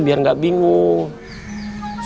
biar gak bingung